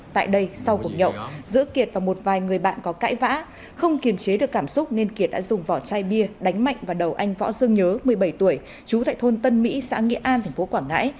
tại đây sau cuộc nhậu giữa kiệt và một vài người bạn có cãi vã không kiềm chế được cảm xúc nên kiệt đã dùng vỏ chai bia đánh mạnh vào đầu anh võ dương nhớ một mươi bảy tuổi chú tại thôn tân mỹ xã nghĩa an tp quảng ngãi